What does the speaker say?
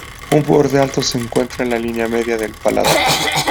Un borde alto se encuentra en la línea media del paladar.